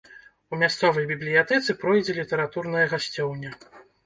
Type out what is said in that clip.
У мясцовай бібліятэцы пройдзе літаратурная гасцёўня.